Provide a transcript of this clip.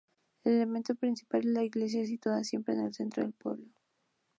El elemento principal es la iglesia, situada siempre en el centro del pueblo.